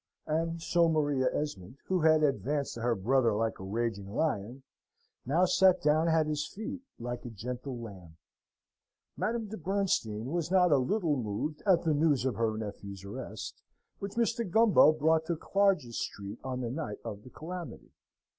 And so Maria Esmond, who had advanced to her brother like a raging lion, now sate down at his feet like a gentle lamb. Madame de Bernstein was not a little moved at the news of her nephew's arrest, which Mr. Gumbo brought to Clarges Street on the night of the calamity.